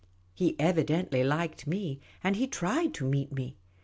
He evidently liked me, and he tried to meet me.